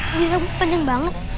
ini rambut panjang banget